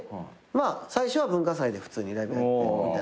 最初は文化祭で普通にライブやってみたいな感じやった。